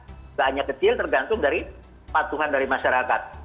bisa hanya kecil tergantung dari patungan dari masyarakat